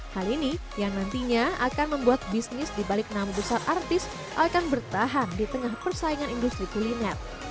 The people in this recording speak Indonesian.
hal ini yang nantinya akan membuat bisnis di balik nama besar artis akan bertahan di tengah persaingan industri kuliner